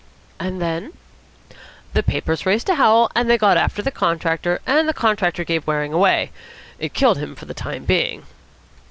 "And then?" "The papers raised a howl, and they got after the contractor, and the contractor gave Waring away. It killed him for the time being."